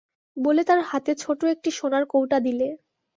বলে তার হাতে ছোটো একটি সোনার কৌটা দিলে।